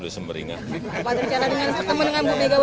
senyum semeringan gitu pak ketawa ketawa